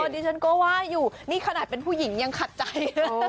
ดิฉันก็ว่าอยู่นี่ขนาดเป็นผู้หญิงยังขัดใจ